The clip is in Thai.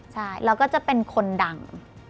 ใช่แล้วก็จะเป็นคนดัง